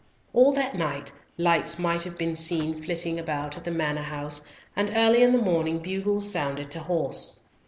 All that night, lights might have been seen flitting about at the Manor house, and early in the morning bugles sounded to horse.